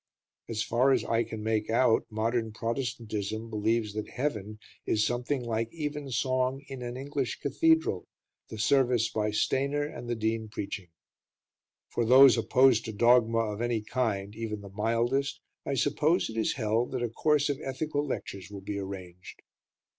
As far as I can make out modern Protestantism believes that Heaven is something like Evensong in an English cathedral, the service by Stainer and the Dean preaching. For those opposed to dogma of any kind even the mildest I suppose it is held that a Course of Ethical Lectures will be arranged.